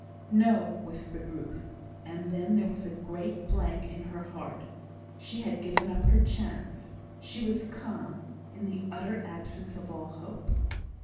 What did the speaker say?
"No," whispered Ruth; and then there was a great blank in her heart. She had given up her chance. She was calm, in the utter absence of all hope.